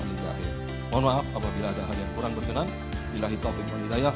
lalu bahwa apabila ada hal yang kurang berkenan bila hitau penyelidikan ya